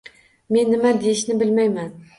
Men nima deyishni bilmayman